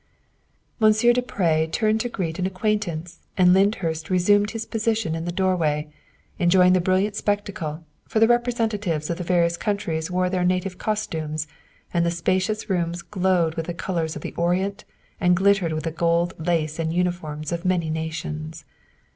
Monsieur du Pre turned to greet an acquaintance and Lyndhurst resumed his position in the doorway, enjoy ing the brilliant spectacle, for the representatives of the various countries wore their native costumes and the spacious rooms glowed with the colors of the Orient and glittered with the gold lace and uniforms of many nations.